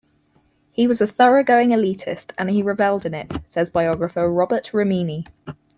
"He was a thoroughgoing elitist, and he reveled in it," says biographer Robert Remini.